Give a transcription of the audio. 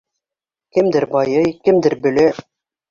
Кемдер байый, кемдер бөлә.